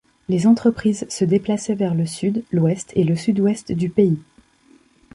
Les entreprises se déplaçaient vers le Sud, l'Ouest et le Sud-Ouest du pays.